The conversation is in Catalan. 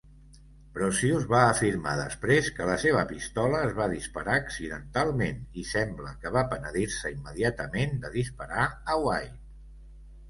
Brocius va afirmar després que la seva pistola es va disparar accidentalment i sembla que va penedir-se immediatament de disparar a White.